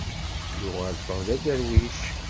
Yuɣal Tom d aderwic.